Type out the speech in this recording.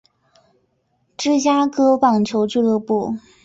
芝加哥棒球俱乐部。